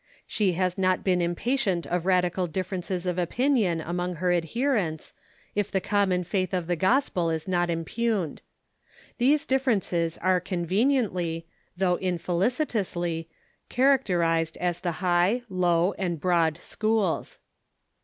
She has not been impatient of radical differences of opinion among her adherents, if the common faith of the Gospel is not im pugned. These difterences are conveniently, though infelici tously, characterized as the High, Low, and Broad schools.